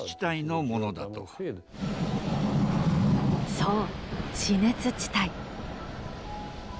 そう地熱地帯。